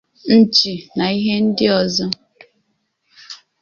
nchì na ihe ndị ọzọ.